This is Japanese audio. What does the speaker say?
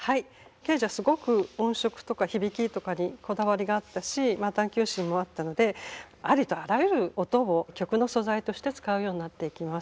ケージはすごく音色とか響きとかにこだわりがあったし探求心もあったのでありとあらゆる音を曲の素材として使うようになっていきます。